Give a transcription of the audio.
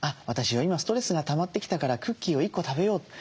私は今ストレスがたまってきたからクッキーを１個食べよう。